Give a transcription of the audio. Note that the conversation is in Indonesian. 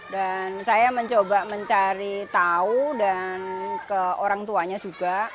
dan saya mencoba mencari tahu dan ke orang tuanya juga